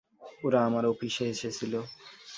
ওরা আমার অফিসে এসেছিল।